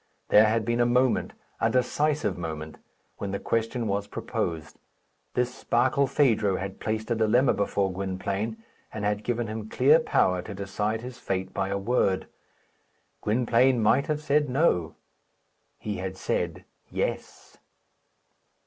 There had been a moment a decisive moment when the question was proposed. This Barkilphedro had placed a dilemma before Gwynplaine, and had given him clear power to decide his fate by a word. Gwynplaine might have said, "No." He had said, "Yes."